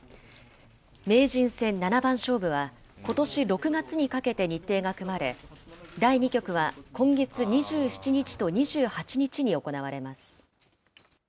名人戦七番勝負は、ことし６月にかけて日程が組まれ、第２局は今月２７日と２８日に行われます。